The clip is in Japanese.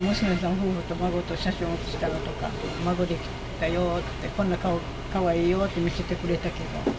夫婦と孫とね、写真写したのとか、孫できたよって、こんなかわいいよって見せてくれたけど。